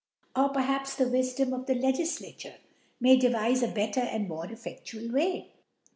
Or perhaps the Wifdom of the Legiflaiure may devife a better and more efFedual Way.